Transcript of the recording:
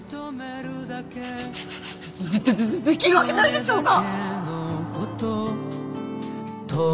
ででででででできるわけないでしょうが！